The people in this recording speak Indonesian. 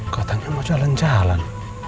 katanya mau jalan jalan